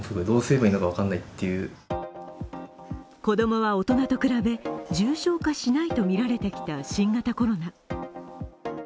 子供は大人と比べ重症化しないとみられてきた新型コロナ。